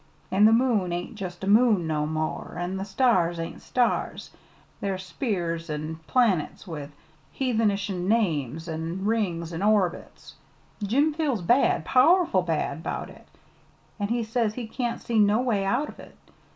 An' the moon ain't jest a moon no more, an' the stars ain't stars. They're sp'eres an' planets with heathenish names an' rings an' orbits. Jim feels bad powerful bad 'bout it, an' he says he can't see no way out of it.